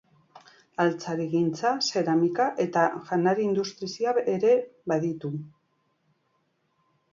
Altzarigintza, zeramika eta janari industria ere baditu.